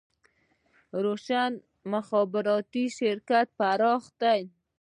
روشن مخابراتي شرکت پراخ دی